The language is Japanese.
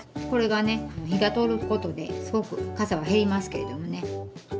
これがね火が通ることですごくかさは減りますけれどもね。